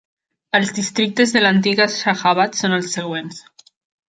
Els districtes de l'antiga Shahabad són els següents.